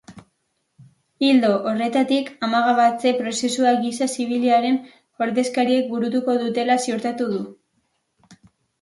Ildo horretatik, armagabetze prozesua giza zibilaren ordezkariek burutuko dutela ziurtatu du.